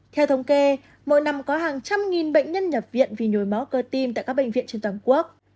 theo thống kê mỗi năm có hàng trăm nghìn bệnh nhân nhập viện vì nhồi máu cơ tim tại các bệnh viện trên toàn quốc